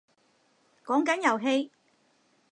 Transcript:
講緊遊戲